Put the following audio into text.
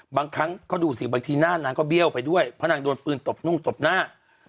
บางครั้งก็ดูสิบางทีหน้านางก็เบี้ยวไปด้วยเพราะนางโดนปืนตบนุ่งตบหน้า